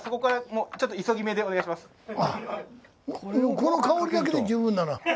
この香りだけで十分だな。